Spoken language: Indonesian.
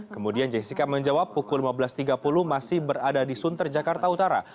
kemudian jessica menjawab pukul lima belas tiga puluh masih berada di sunter jakarta utara